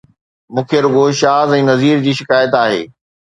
مون کي رڳو شاز ۽ نذير جي شڪايت آهي